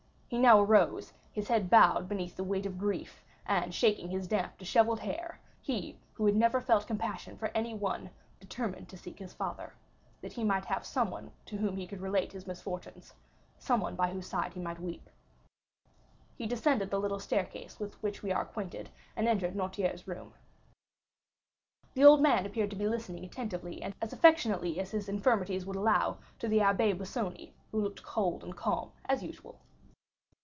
He now arose, his head bowed beneath the weight of grief, and, shaking his damp, dishevelled hair, he who had never felt compassion for anyone determined to seek his father, that he might have someone to whom he could relate his misfortunes,—someone by whose side he might weep. 50195m He descended the little staircase with which we are acquainted, and entered Noirtier's room. The old man appeared to be listening attentively and as affectionately as his infirmities would allow to the Abbé Busoni, who looked cold and calm, as usual.